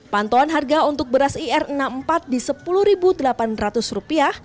pantauan harga untuk beras ir enam puluh empat di rp sepuluh delapan ratus